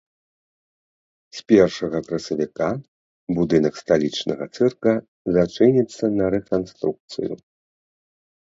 З першага красавіка будынак сталічнага цырка зачыніцца на рэканструкцыю.